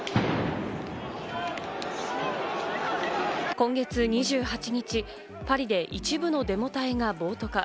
今月２８日、パリで一部のデモ隊が暴徒化。